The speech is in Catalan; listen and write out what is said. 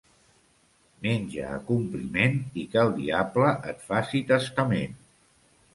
Menja a compliment i que el diable et faci testament.